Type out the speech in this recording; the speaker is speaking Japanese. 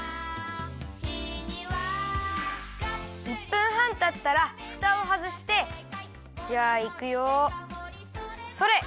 １分はんたったらふたをはずしてじゃあいくよそれ！